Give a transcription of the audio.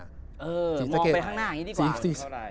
มองไปข้างหน้าอย่างนี้ดีกว่า